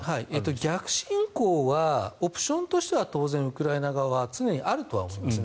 逆侵攻はオプションとしては当然、ウクライナ側はあるとは思いますね。